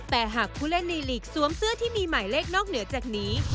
แต่หากผู้เล่นในหลีกสวมเสื้อที่มีหมายเลขนอกเหนือจากนี้